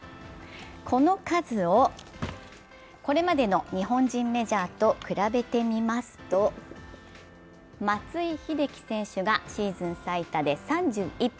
この数をこれまでの日本人メジャーと比べてみますと松井秀喜選手がシーズン最多で３１本。